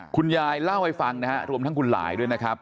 คุณยายเล่าให้ฟังนะฮะรวมทั้งคุณหลายด้วยนะครับ